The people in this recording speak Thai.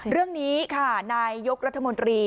เรื่องนี้ค่ะนายยกรัฐมนตรี